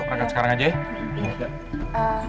ayo hapet sekarang aja ya